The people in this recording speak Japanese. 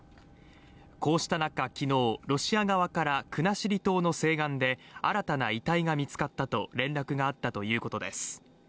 こうした中、昨日、ロシア側から国後島の西岸で新たな遺体が見つかったと連絡があったということです。